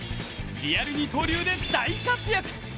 リアル二刀流で大活躍